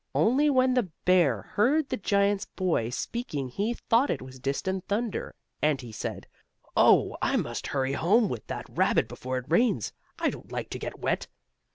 Only when the bear heard the giant's boy speaking he thought it was distant thunder, and he said: "Oh, I must hurry home with that rabbit before it rains. I don't like to get wet!"